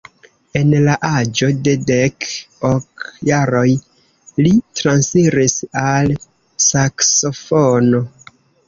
En la aĝo de dek ok jaroj li transiris al saksofono.